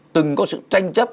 từng có sự tranh chấp